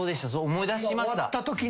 思い出しました。